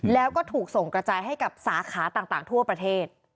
แล้วก็ถูกส่งกระจายให้กับสาขาต่างทั่วประเทศ